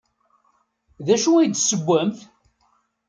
D acu ay d-tessewwemt?